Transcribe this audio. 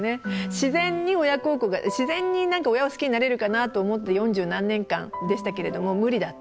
自然に親孝行が自然に親を好きになれるかなと思って四十何年間でしたけれども無理だった。